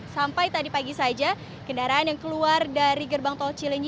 sampai tadi pagi saja kendaraan yang keluar dari gerbang tol cilenyi